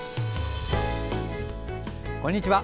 こんにちは。